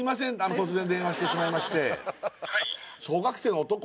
突然電話してしまいまして